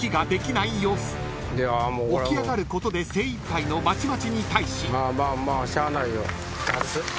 ［起き上がることで精いっぱいのマチマチに対し］